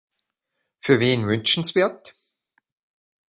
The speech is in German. Für wen wünschenswert?